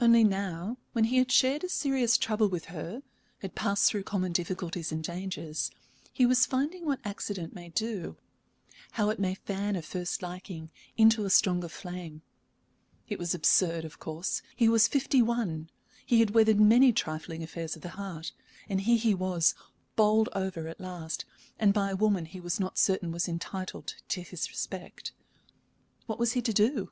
Only now, when he had shared a serious trouble with her, had passed through common difficulties and dangers, he was finding what accident may do how it may fan a first liking into a stronger flame. It was absurd, of course. He was fifty one, he had weathered many trifling affairs of the heart, and here he was, bowled over at last, and by a woman he was not certain was entitled to his respect. What was he to do?